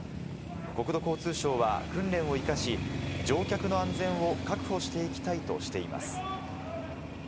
国土交通省は訓練を生かし、乗客の安全を確保していきたいとしています。